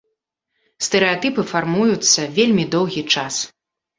Стэрэатыпы фармуюцца вельмі доўгі час.